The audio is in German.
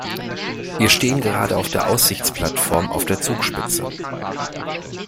Wir stehen gerade auf der Aussichtsplattform auf der Zugspitze.